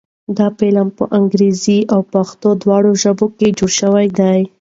دا فلم په انګريزۍ او پښتو دواړو ژبو کښې جوړ شوے دے